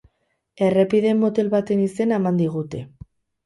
Errepide motel baten izena eman digute.